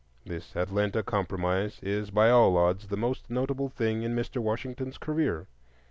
This "Atlanta Compromise" is by all odds the most notable thing in Mr. Washington's career.